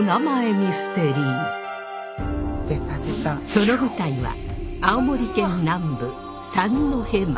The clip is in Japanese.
その舞台は青森県南部三戸町。